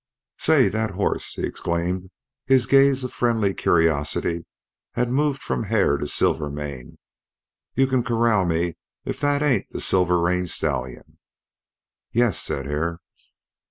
"Say! thet hoss " he exclaimed. His gaze of friendly curiosity had moved from Hare to Silvermane. "You can corral me if it ain't thet Sevier range stallion!" "Yes," said Hare.